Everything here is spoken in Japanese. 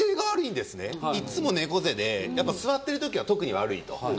いつも猫背で座ってるときは特に悪いと。